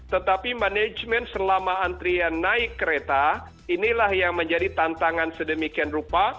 tetapi manajemen selama antrian naik kereta inilah yang menjadi tantangan sedemikian rupa